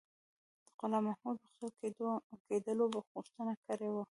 د غلام محمد د بخښل کېدلو غوښتنه کړې وه.